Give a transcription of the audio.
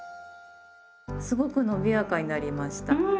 すごくのびやかになりました。